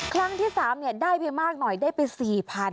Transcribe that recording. ครั้งที่๓ได้ไปมากหน่อยได้ไป๔๐๐๐